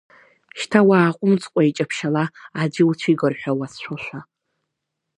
Шьҭа уааҟәымҵкәа иҷаԥшьала, аӡәы иуцәигар ҳәа уацәшәошәа!